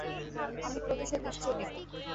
আমি প্রতিশোধ নিশ্চয়ই নেবো।